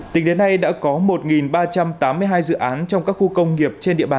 tính đến nay đã có một ba trăm tám mươi hai dự án trong các khu công nghiệp trên địa bàn